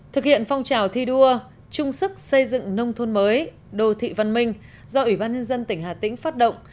thực hiện phong trào thi đua chung sức xây dựng nông thôn mới đô thị văn minh do ủy ban nhân dân tỉnh hà tĩnh phát động